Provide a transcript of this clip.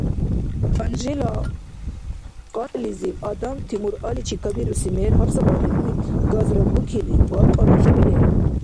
Панжила къатӀлизиб адамти муръаличи кабируси мер гьарзабарили, газра букили, балкьарахъули леб.